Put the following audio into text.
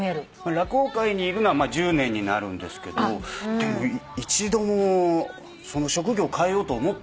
落語界にいるのは１０年になるんですけどでも一度も職業を変えようとは思ったことはないですね。